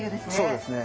そうですね。